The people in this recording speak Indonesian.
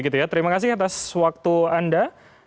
terima kasih atas waktu anda